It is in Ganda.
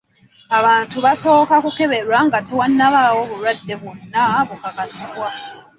Abantu basooka kukeberwa nga tewannabaawo bulwadde bwonna bukakasibwa.